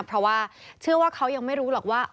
เพราะว่าเชื่อว่าเขายังไม่รู้หรอกว่า